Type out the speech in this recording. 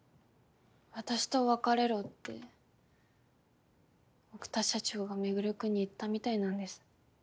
私と別れろって奥田社長が周君に言ったみたいなんです。